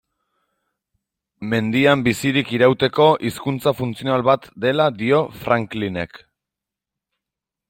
Mendian bizirik irauteko hizkuntza funtzional bat dela dio Franklinek.